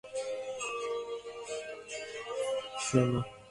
Italy বুড়ো জাত, একবার সাড়াশব্দ দিয়ে আবার পাশ ফিরে শুলো।